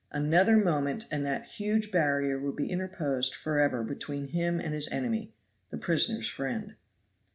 A nether moment and that huge barrier would be interposed forever between him and his enemy, the prisoners' friend.